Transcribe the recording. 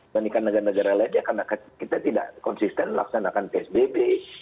bandingkan negara negara lain ya karena kita tidak konsisten melaksanakan psbb